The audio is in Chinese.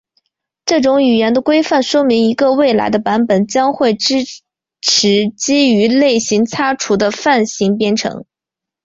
这种语言的规范说明一个未来的版本将会支持基于类型擦除的泛型编程。